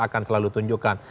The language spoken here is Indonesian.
akan selalu tunjukkan